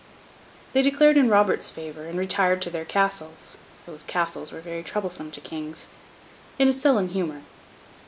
They declared in Robert's favour, and retired to their castles (those castles were very troublesome to kings) in a sullen humour.